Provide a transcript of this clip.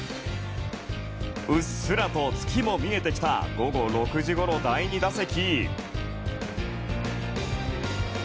うっすらと月も見えてきた午後６時ごろ、第２打席。